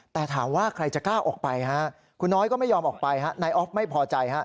แต่ถามว่าใครจะกล้าออกไปฮะคุณน้อยก็ไม่ยอมออกไปฮะนายออฟไม่พอใจฮะ